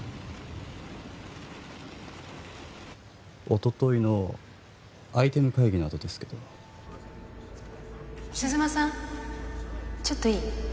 おとといのアイテム会議のあとですけど鈴間さんちょっといい？